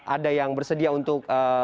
ada yang bersedia untuk